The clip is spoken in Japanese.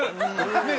ねえ！